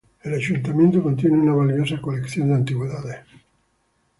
El ayuntamiento contiene una valiosa colección de antigüedades.